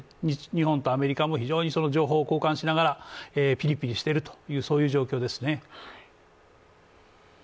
日本とアメリカも非常にその情報を交換しながらピリピリしているという状況ですね。